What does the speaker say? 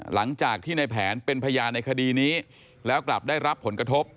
หลังจากที่ในแผนเป็นพยานในคดีนี้แล้วกลับได้รับผลกระทบ